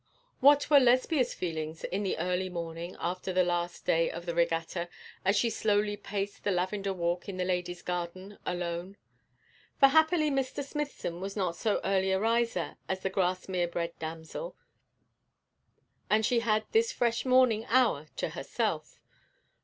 What were Lesbia's feelings in the early morning after the last day of the regatta, as she slowly paced the lavender walk in the Ladies' Garden, alone? for happily Mr. Smithson was not so early a riser as the Grasmere bred damsel, and she had this fresh morning hour to herself.